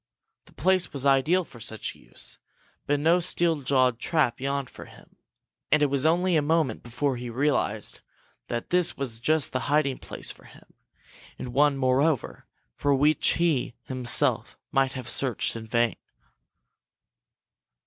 The place was ideal for such a use, but now no steel jawed trap yawned for him. And it was only a moment before he realized that this was just the hiding place for him and one, moreover, for which he himself might have searched in vain.